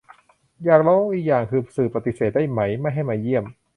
อยากรู้อีกอย่างคือ สื่อปฏิเสธได้ไหม ไม่ให้มาเยี่ยม